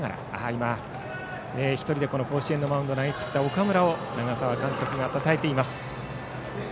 今、１人でこの甲子園のマウンドを投げきった岡村を長澤監督がたたえていました。